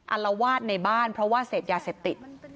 อารวาสในบ้านเพราะว่าเสพยาเสพติด